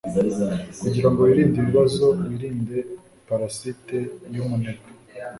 kugira ngo wirinde ibibazo wirinde parasite yumunebwe